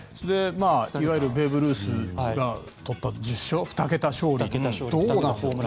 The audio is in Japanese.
いわゆるベーブ・ルースが取った１０勝、２桁勝利どうなんですかね？